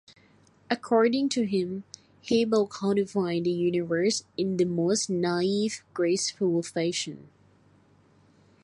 According to him, Hebel "countrified the universe in the most naive, graceful fashion".